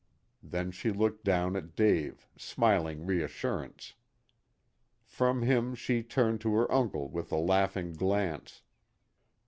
Then she looked down at Dave, smiling reassurance. From him she turned to her uncle with a laughing glance.